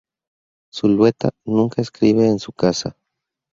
Zulueta "nunca escribe en su casa.